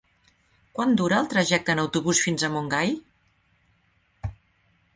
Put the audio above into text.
Quant dura el trajecte en autobús fins a Montgai?